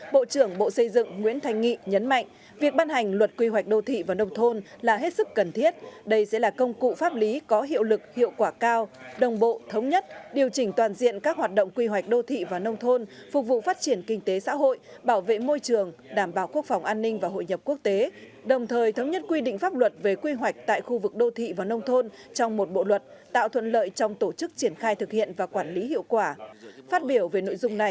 bộ trưởng bộ xây dựng nguyễn thanh nghị nhấn mạnh việc ban hành luật quy hoạch đô thị và nông thôn là hết sức cần thiết đây sẽ là công cụ pháp lý có hiệu lực hiệu quả cao đồng bộ thống nhất điều chỉnh toàn diện các hoạt động quy hoạch đô thị và nông thôn phục vụ phát triển kinh tế xã hội bảo vệ môi trường đảm bảo quốc phòng an ninh và hội nhập quốc tế đồng thời thống nhất quy định pháp luật về quy hoạch tại khu vực đô thị và nông thôn trong một bộ luật tạo thuận lợi trong tổ chức triển khai thực hiện và quản lý hiệu